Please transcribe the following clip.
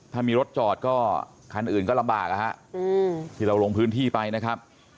ถ้ามีรถจอดก็คันอื่นก็ลำบากนะฮะที่เราลงพื้นที่ไปนะครับ